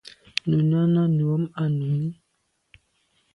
Nu Nana nu am à nu i.